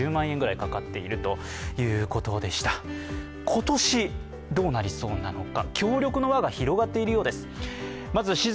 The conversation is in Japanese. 今年、どうなりそうなのか。